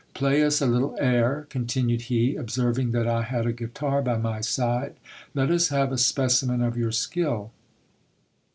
Play us a little air, continued he, observing that I had a guitar by my side ; let us have a specimen of your skill.